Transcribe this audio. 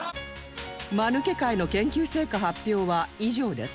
まぬけ会の研究成果発表は以上です